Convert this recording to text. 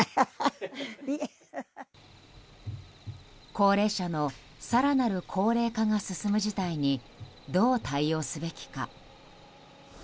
高齢者の更なる高齢化が進む事態に、どう対応すべきか。